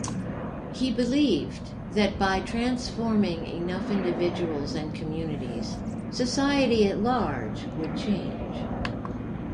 He believed that by transforming enough individuals and communities, society at large would change.